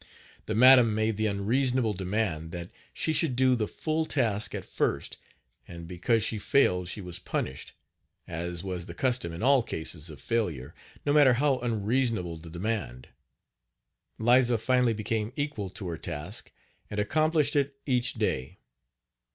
The madam made the unreasonable demand that she should do the full task at first, and because she failed she was punished, as was the custom in all cases of failure, no matter how unreasonable the demand. Liza finally became equal to her task and accomplished it each day.